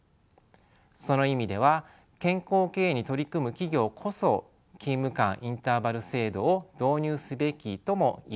その意味では健康経営に取り組む企業こそ勤務間インターバル制度を導入すべきとも言えるでしょう。